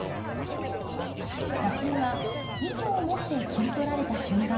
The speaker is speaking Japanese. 写真は意図を持って切り取られた瞬間です。